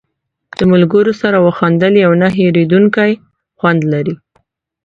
د ملګرو سره وخندل یو نه هېرېدونکی خوند لري.